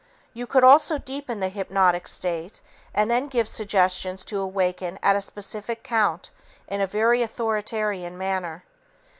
You could also deepen the hypnotic state and then give suggestions to awaken at a specific count in a very authoritarian manner.